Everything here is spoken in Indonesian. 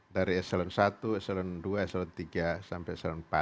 dari echelon satu dua tiga sampai empat